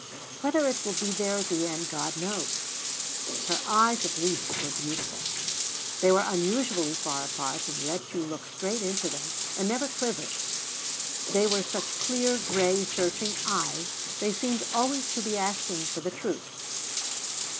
Whether it will be there at the end, God knows. Her eyes, at least, were beautiful. They were unusually far apart, and let you look straight into them, and never quivered; they were such clear, gray, searching eyes, they seemed always to be asking for the truth.